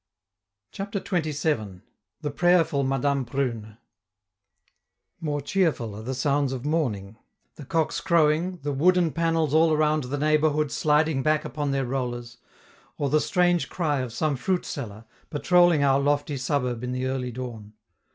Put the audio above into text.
CHAPTER XXVII. THE PRAYERFUL MADAME PRUNE More cheerful are the sounds of morning: the cocks crowing, the wooden panels all around the neighborhood sliding back upon their rollers; or the strange cry of some fruit seller, patrolling our lofty suburb in the early dawn.